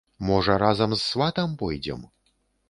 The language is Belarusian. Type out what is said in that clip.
Можа, разам з сватам пойдзем?